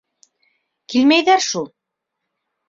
Килмәйҙәр шул.